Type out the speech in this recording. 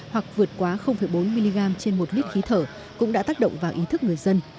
hoặc vượt quá bốn mg trên một lít khí thở cũng đã tác động vào ý thức người dân